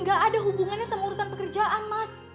gak ada hubungannya sama urusan pekerjaan mas